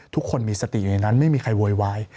ทุกคนมีสติอยู่ในนั้นไม่มีใครโวยวาย